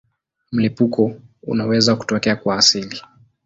Mlipuko unaweza kutokea kwa asili.